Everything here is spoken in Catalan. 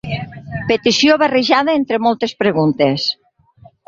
Petició barrejada entre moltes preguntes.